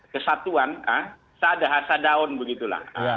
kesatuan ha saada hasadaun begitulah